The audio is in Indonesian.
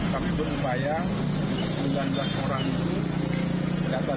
kami berupaya sembilan belas orang itu data data antar motor dari biar keluarga